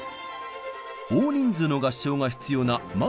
大人数の合唱が必要な「マタイ受難曲」。